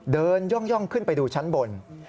ย่องขึ้นไปดูชั้นบน